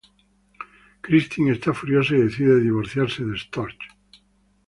Christine está furiosa y decide divorciarse de Storch.